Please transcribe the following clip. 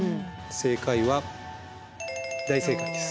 正解は大正解です。